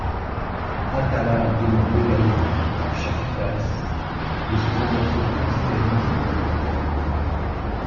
Atala demande également à Chactas de se convertir au christianisme pour elle.